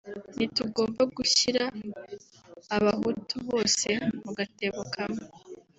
ntitugomba gushyira abahutu bose mu gatebo kamwe